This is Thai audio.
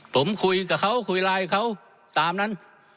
ผมคุยกับเขาคุยไลน์เขาตามนั้น